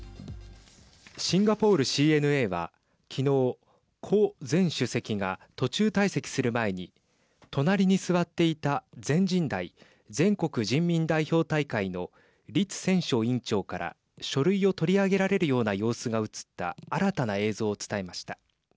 シンガポールＣＮＡは昨日胡前主席が途中退席する前に隣に座っていた全人代＝全国人民代表大会の栗戦書委員長から書類を取り上げられるような様子が映った新たな映像を伝えました。